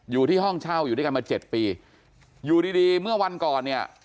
อยู่ที่ห้องเช่าอยู่ด้วยกันมาเจ็ดปีอยู่ดีดีเมื่อวันก่อนเนี่ย